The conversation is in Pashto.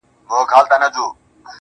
ښكلو ته كاته اكثر.